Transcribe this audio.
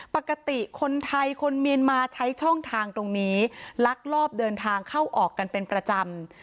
ปกติคนไทยคนเมียนมาใช้ช่องทางตรงนี้ลักลอบเดินทางเข้าออกกันเป็นประจำ